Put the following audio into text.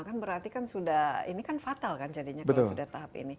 kan berarti kan sudah ini kan fatal kan jadinya kalau sudah tahap ini